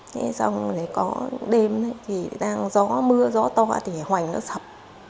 thế xong rồi có đêm thì đang gió mưa gió cho hoành nó sập